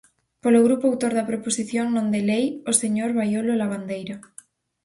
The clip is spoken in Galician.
Polo grupo autor da proposición non de lei, o señor Baiolo Lavandeira.